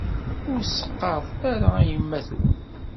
Ur s-qqaṛet ara i yemma-twen.